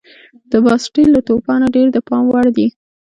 د باسټیل له توپانه ډېر د پام وړ دي.